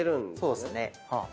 そうですね。